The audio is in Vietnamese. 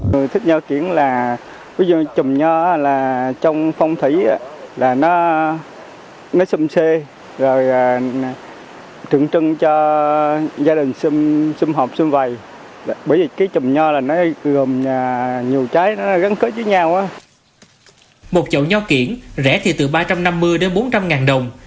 một chậu nho kiện rẻ thì từ ba trăm năm mươi đến bốn trăm linh ngàn đồng